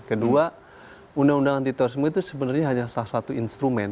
kedua undang undang anti terorisme itu sebenarnya hanya salah satu instrumen